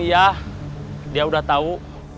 iya dia udah tau